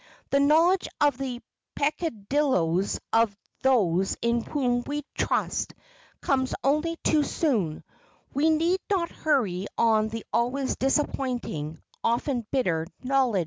The knowledge of the peccadillos of those in whom we trust comes only too soon; we need not hurry on the always disappointing, often bitter knowledge.